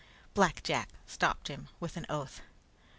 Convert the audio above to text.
Black Jack stopped him, with an oath.